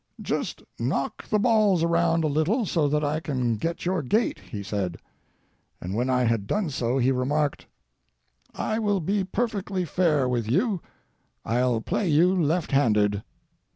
"Just knock the balls around a little so that I can get your gait," he said; and when I had done so, he remarked: "I will be perfectly fair with you. I'll play you left handed."